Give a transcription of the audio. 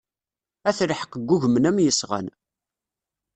At lḥeqq ggugmen am yesɣan.